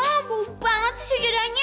auuu bau banget sih sejadahnya